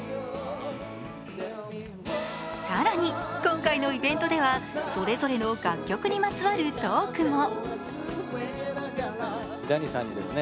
更に今回のイベントではそれぞれの楽曲にまつわるトークも。